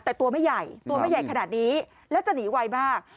แต่ตัวไม่ใหญ่ตัวไม่ใหญ่ขนาดนี้แล้วจะหนีไวมาก